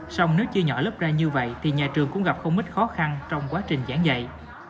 xong nếu chia nhỏ lớp ra như vậy thì nhà trường cũng gặp không ít khó khăn trong quá trình giảng dạy